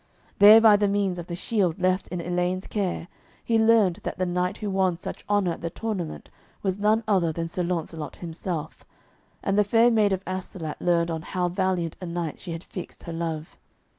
There by the means of the shield left in Elaine's care he learned that the knight who won such honour at the tournament was none other than Sir Launcelot himself, and the Fair Maid of Astolat learned on how valiant a knight she had fixed her love.